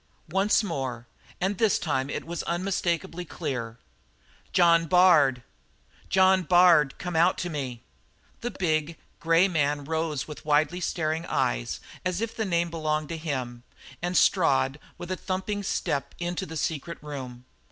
Once more, and this time it was unmistakably clear: "John Bard, John Bard, come out to me!" The big, grey man rose with widely staring eyes as if the name belonged to him, and strode with a thumping step into the secret room.